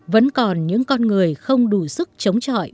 vẫn còn những con người không đủ sức chống trọi